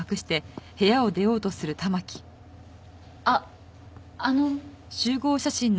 あっあの。